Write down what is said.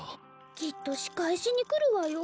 きっと仕返しに来るわよ。